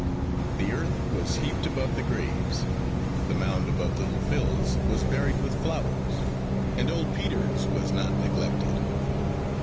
The earth was heaped above the graves. The mound above little Phil's was buried with flowers, and old Peter's was not neglected.